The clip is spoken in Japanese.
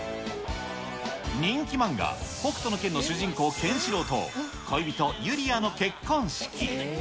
人気漫画、北斗の拳の主人公、ケンシロウと、恋人、ユリアの結婚式。